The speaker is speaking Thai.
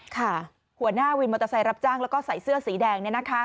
หัวหน้าวินมอเตอร์ไซค์รับจ้างแล้วก็ใส่เสื้อสีแดง